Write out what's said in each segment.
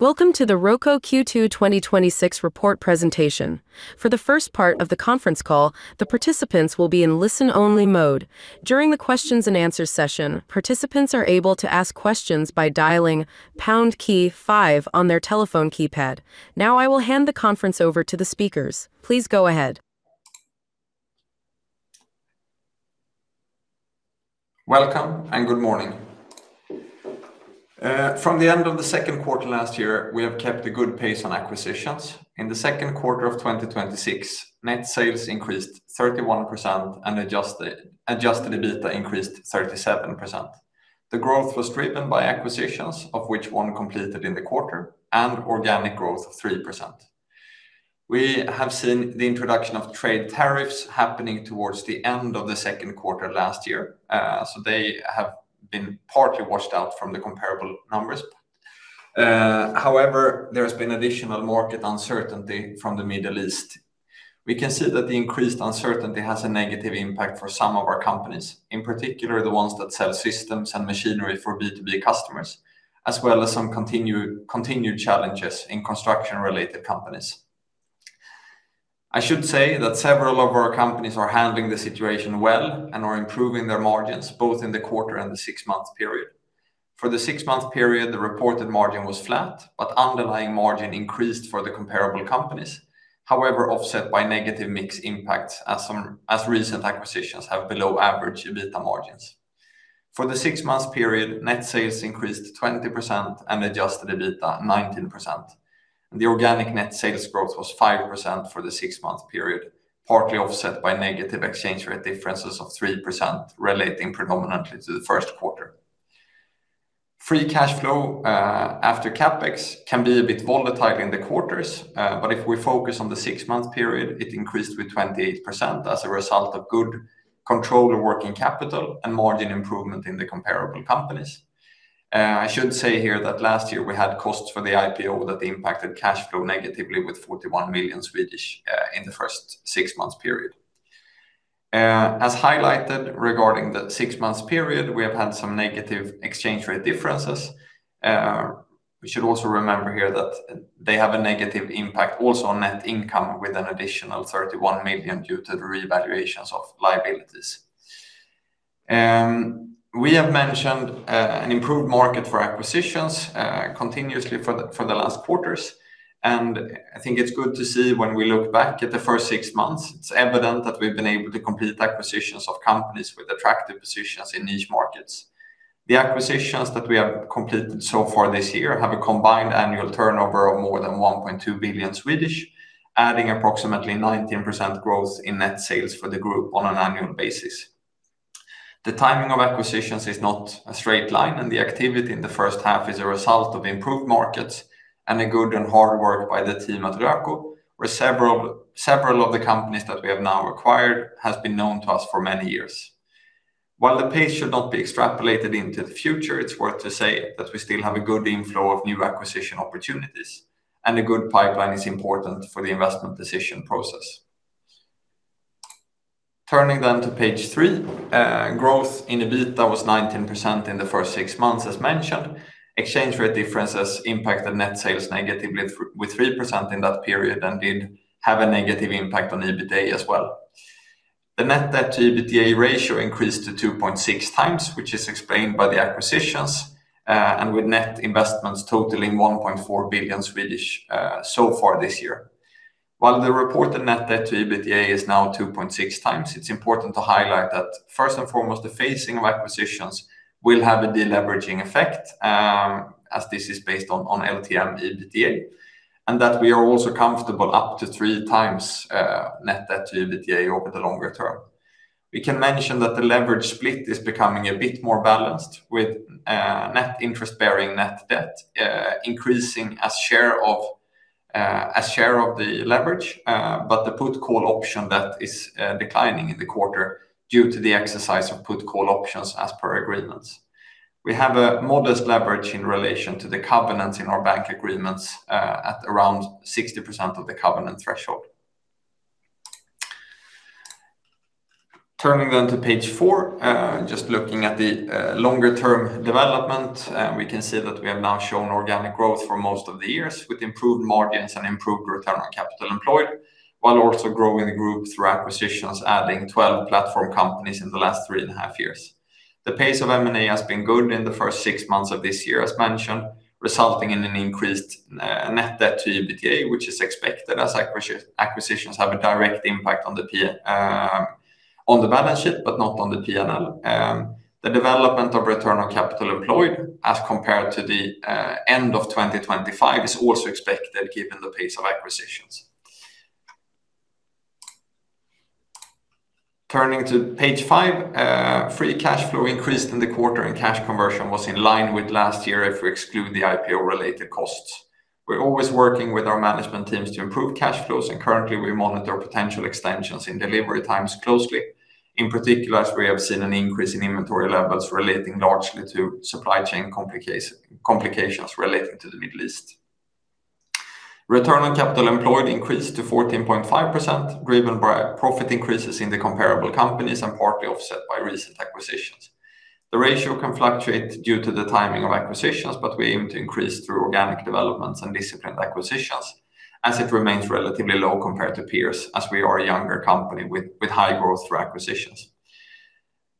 Welcome to the Röko Q2 2026 report presentation. For the first part of the conference call, the participants will be in listen-only mode. During the questions and answers session, participants are able to ask questions by dialing pound key five on their telephone keypad. Now I will hand the conference over to the speakers. Please go ahead. Welcome and good morning. From the end of the second quarter last year, we have kept a good pace on acquisitions. In the second quarter of 2026, net sales increased 31% and adjusted EBITDA increased 37%. The growth was driven by acquisitions, of which one completed in the quarter, and organic growth of 3%. We have seen the introduction of trade tariffs happening towards the end of the second quarter last year. They have been partly washed out from the comparable numbers. There has been additional market uncertainty from the Middle East. We can see that the increased uncertainty has a negative impact for some of our companies, in particular, the ones that sell systems and machinery for B2B customers, as well as some continued challenges in construction-related companies. I should say that several of our companies are handling the situation well and are improving their margins both in the quarter and the six-month period. For the six-month period, the reported margin was flat, underlying margin increased for the comparable companies, offset by negative mix impacts as recent acquisitions have below average EBITDA margins. For the six-month period, net sales increased 20% and adjusted EBITDA 19%. The organic net sales growth was 5% for the six-month period, partly offset by negative exchange rate differences of 3% relating predominantly to the first quarter. Free cash flow after CapEx can be a bit volatile in the quarters. If we focus on the six-month period, it increased with 28% as a result of good control of working capital and margin improvement in the comparable companies. I should say here that last year we had costs for the IPO that impacted cash flow negatively with 41 million in the first six-month period. As highlighted regarding the six-month period, we have had some negative exchange rate differences. We should also remember here that they have a negative impact also on net income with an additional 31 million due to the revaluations of liabilities. We have mentioned an improved market for acquisitions continuously for the last quarters. I think it's good to see when we look back at the first six months, it's evident that we've been able to complete acquisitions of companies with attractive positions in niche markets. The acquisitions that we have completed so far this year have a combined annual turnover of more than 1.2 billion, adding approximately 19% growth in net sales for the group on an annual basis. The timing of acquisitions is not a straight line, and the activity in the first half is a result of improved markets and good and hard work by the team at Röko, where several of the companies that we have now acquired have been known to us for many years. While the pace should not be extrapolated into the future, it's worth to say that we still have a good inflow of new acquisition opportunities and a good pipeline is important for the investment decision process. Turning then to page three. Growth in EBITDA was 19% in the first six months, as mentioned. Exchange rate differences impacted net sales negatively with 3% in that period and did have a negative impact on EBITDA as well. The net debt to EBITDA ratio increased to 2.6 times, which is explained by the acquisitions, and with net investments totaling 1.4 billion so far this year. While the reported net debt to EBITDA is now 2.6 times, it's important to highlight that first and foremost, the phasing of acquisitions will have a deleveraging effect, as this is based on LTM EBITDA, and that we are also comfortable up to three times net debt to EBITDA over the longer term. We can mention that the leverage split is becoming a bit more balanced with net interest-bearing net debt increasing as share of the leverage, but the put call option that is declining in the quarter due to the exercise of put call options as per agreements. We have a modest leverage in relation to the covenants in our bank agreements at around 60% of the covenant threshold. Turning then to page four, just looking at the longer-term development, we can see that we have now shown organic growth for most of the years with improved margins and improved return on capital employed, while also growing the group through acquisitions, adding 12 platform companies in the last three and a half years. The pace of M&A has been good in the first six months of this year, as mentioned, resulting in an increased net debt to EBITDA, which is expected as acquisitions have a direct impact on the balance sheet but not on the P&L. The development of return on capital employed as compared to the end of 2025 is also expected given the pace of acquisitions. Turning to page five, free cash flow increased in the quarter and cash conversion was in line with last year if we exclude the IPO-related costs. We're always working with our management teams to improve cash flows, and currently we monitor potential extensions in delivery times closely. In particular, as we have seen an increase in inventory levels relating largely to supply chain complications relating to the Middle East. Return on capital employed increased to 14.5%, driven by profit increases in the comparable companies and partly offset by recent acquisitions. The ratio can fluctuate due to the timing of acquisitions, but we aim to increase through organic developments and disciplined acquisitions, as it remains relatively low compared to peers, as we are a younger company with high growth through acquisitions.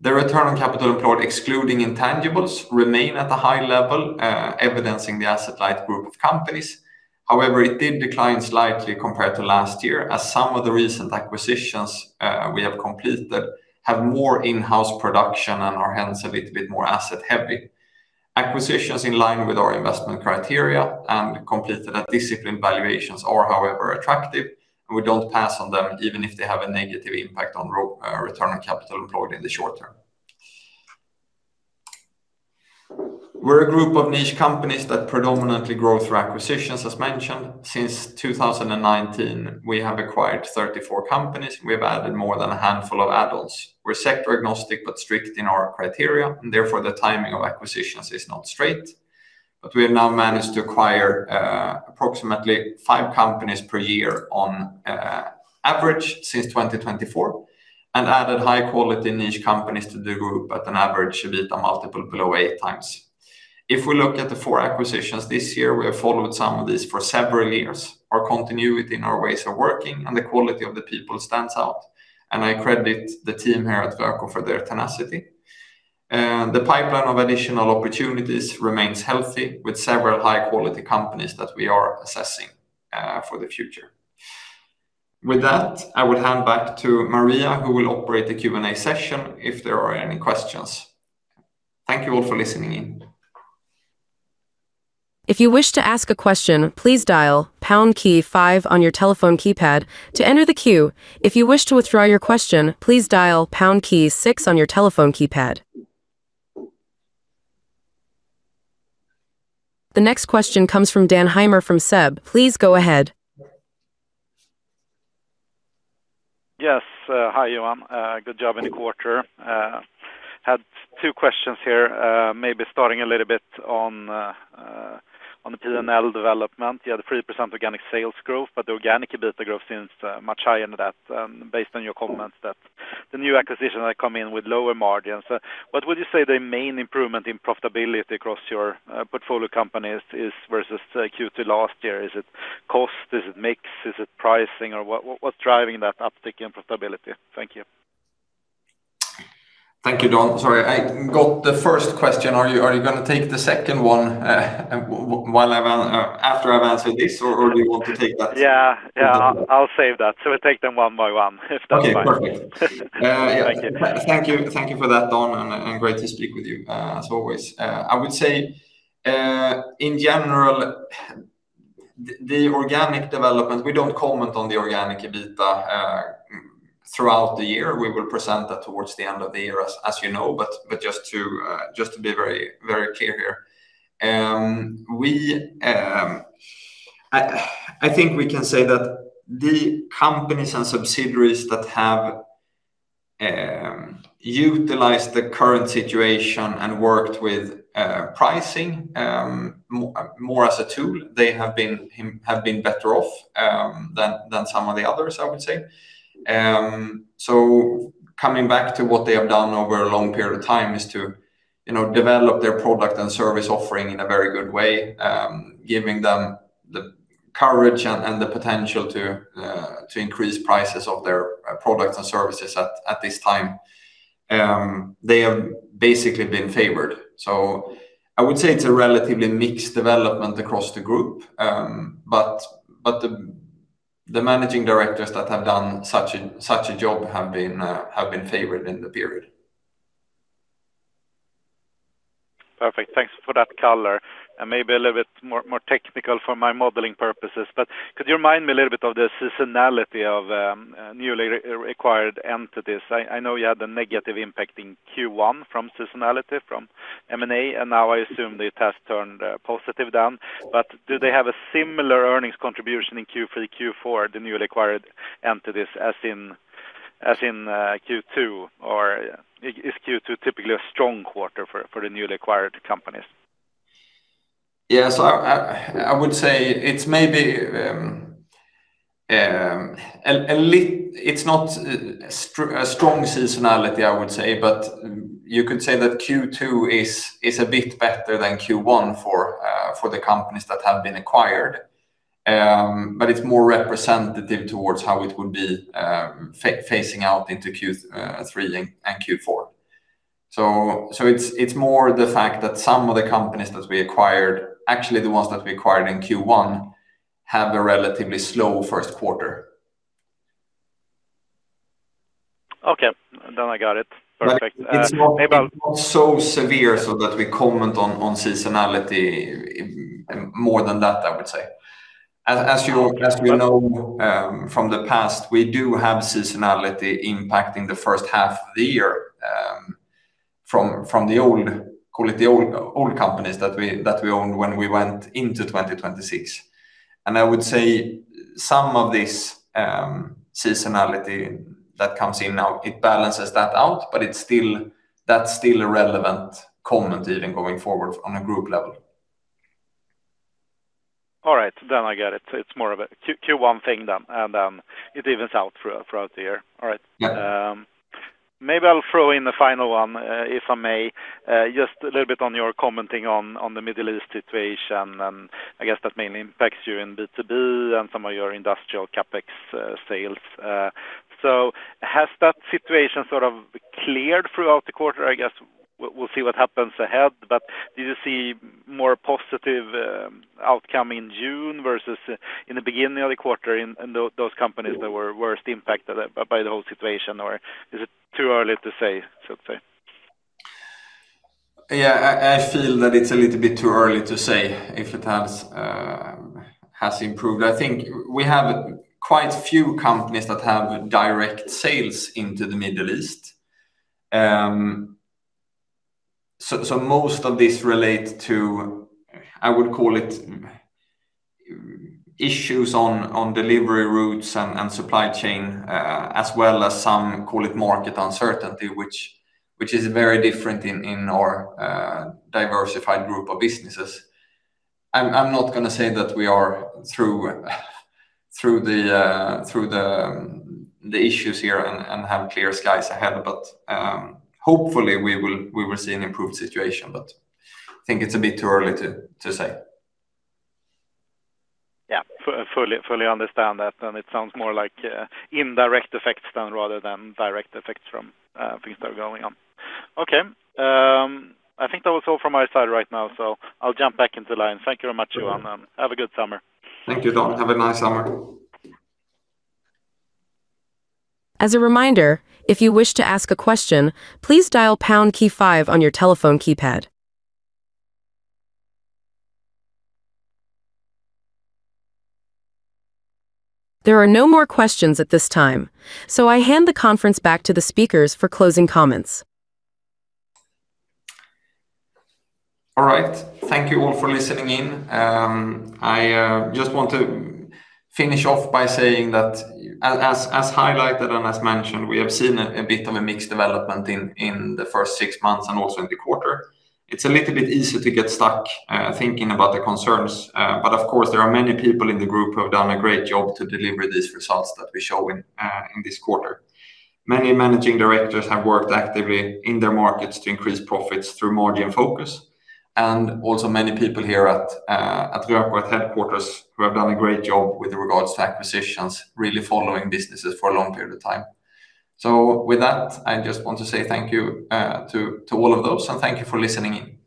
The return on capital employed, excluding intangibles, remain at a high level, evidencing the asset-light group of companies. It did decline slightly compared to last year, as some of the recent acquisitions we have completed have more in-house production and are hence a little bit more asset heavy. Acquisitions in line with our investment criteria and completed at disciplined valuations are, however, attractive, and we don't pass on them even if they have a negative impact on return on capital employed in the short term. We're a group of niche companies that predominantly grow through acquisitions, as mentioned. Since 2019, we have acquired 34 companies, and we have added more than a handful of add-ons. We're sector agnostic, but strict in our criteria, and therefore the timing of acquisitions is not straight. We have now managed to acquire approximately five companies per year on average since 2024 and added high-quality niche companies to the group at an average EBITDA multiple below eight times. If we look at the four acquisitions this year, we have followed some of these for several years. Our continuity in our ways of working and the quality of the people stands out, and I credit the team here at Röko for their tenacity. The pipeline of additional opportunities remains healthy, with several high-quality companies that we are assessing for the future. With that, I will hand back to Maria, who will operate the Q&A session if there are any questions. Thank you all for listening in. If you wish to ask a question, please dial pound key five on your telephone keypad to enter the queue. If you wish to withdraw your question, please dial pound key six on your telephone keypad. The next question comes from Dan Heimer from SEB. Please go ahead. Yes. Hi, Johan. Good job in the quarter. Had two questions here, maybe starting a little bit on the P&L development. You had 3% organic sales growth, but the organic EBITDA growth seems much higher than that based on your comments that the new acquisitions that come in with lower margins. What would you say the main improvement in profitability across your portfolio companies is versus Q2 last year? Is it cost? Is it mix? Is it pricing? Or what's driving that uptick in profitability? Thank you. Thank you, Dan. Sorry, I got the first question. Are you going to take the second one after I've answered this, or do you want to take that- Yeah, I'll save that. We'll take them one by one, if that's fine. Okay, perfect. Thank you. Thank you for that, Dan, and great to speak with you, as always. I would say, in general, the organic development, we don't comment on the organic EBITDA throughout the year. We will present that towards the end of the year, as you know. Just to be very clear here, I think we can say that the companies and subsidiaries that have utilized the current situation and worked with pricing more as a tool, they have been better off than some of the others, I would say. Coming back to what they have done over a long period of time is to develop their product and service offering in a very good way, giving them the courage and the potential to increase prices of their products and services at this time. They have basically been favored. I would say it's a relatively mixed development across the group. The managing directors that have done such a job have been favored in the period. Perfect. Thanks for that color. Maybe a little bit more technical for my modeling purposes, could you remind me a little bit of the seasonality of newly acquired entities? I know you had a negative impact in Q1 from seasonality from M&A, now I assume it has turned positive down. Do they have a similar earnings contribution in Q3, Q4, the newly acquired entities, as in Q2? Is Q2 typically a strong quarter for the newly acquired companies? Yeah. I would say it's not a strong seasonality, I would say, you could say that Q2 is a bit better than Q1 for the companies that have been acquired. It's more representative towards how it would be facing out into Q3 and Q4. It's more the fact that some of the companies that we acquired, actually the ones that we acquired in Q1, have a relatively slow first quarter. Okay. I got it. Perfect. It's not so severe so that we comment on seasonality more than that, I would say. As we know from the past, we do have seasonality impacting the first half of the year from the old companies that we owned when we went into 2026. I would say some of this seasonality that comes in now, it balances that out, but That's still a relevant comment, even going forward on a group level. All right, I get it. It's more of a Q1 thing then, and then it evens out throughout the year. All right. Yeah. Maybe I'll throw in the final one, if I may. Just a little bit on your commenting on the Middle East situation, and I guess that mainly impacts you in B2B and some of your industrial CapEx sales. Has that situation sort of cleared throughout the quarter? I guess we'll see what happens ahead, but did you see more positive outcome in June versus in the beginning of the quarter in those companies that were worst impacted by the whole situation? Is it too early to say, so to say? I feel that it's a little bit too early to say if it has improved. I think we have quite few companies that have direct sales into the Middle East. Most of this relates to, I would call it, issues on delivery routes and supply chain, as well as some, call it market uncertainty, which is very different in our diversified group of businesses. I'm not going to say that we are through the issues here and have clear skies ahead, but hopefully, we will see an improved situation, but I think it's a bit too early to say. Yeah. Fully understand that. It sounds more like indirect effects then, rather than direct effects from things that are going on. Okay. I think that was all from my side right now. I'll jump back into line. Thank you very much, Johan. Sure. Have a good summer. Thank you, Dan. Have a nice summer. As a reminder, if you wish to ask a question, please dial pound key five on your telephone keypad. There are no more questions at this time. I hand the conference back to the speakers for closing comments. All right. Thank you all for listening in. I just want to finish off by saying that, as highlighted and as mentioned, we have seen a bit of a mixed development in the first six months and also in the quarter. It's a little bit easy to get stuck thinking about the concerns. Of course, there are many people in the group who have done a great job to deliver these results that we show in this quarter. Many managing directors have worked actively in their markets to increase profits through margin focus, and also many people here at Röko headquarters who have done a great job with regards to acquisitions, really following businesses for a long period of time. With that, I just want to say thank you to all of those, and thank you for listening in.